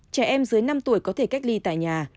trẻ em dưới năm tuổi có thể cách ly tại nhà